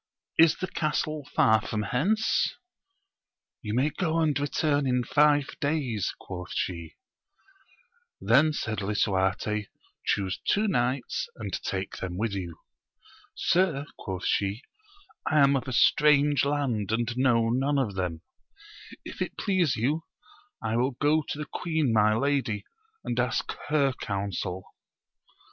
Is the castle far from hence 1 You may go and return in five days, quoth she. Then said Lisuarte, chuse two knights, and take them with you. Sir, quoth she, I am of a strange land, and know none of them : if it please you, I will go to the queen my lady and ask her counsel.